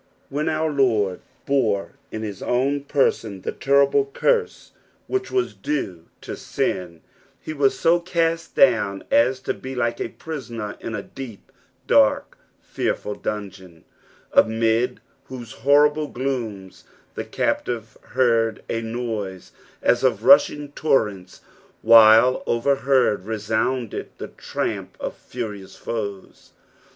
When our Lord bore In %63 EXPOSITIONS OF T&B P8ALHS. his own persoQ the terrible curse which was due to sin, he wu so cast down a» to be like a prisoner in a deep, dark, fearful dungeon, amid whose lioirible glooms the captive heard a noise as of rushing torrents, while overhead resounded the tramp of furious foes.